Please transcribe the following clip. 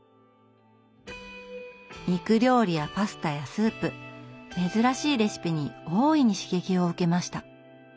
肉料理やパスタやスープ珍しいレシピに大いに刺激を受けました。